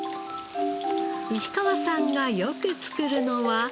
石川さんがよく作るのは。